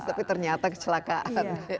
tapi ternyata kecelakaan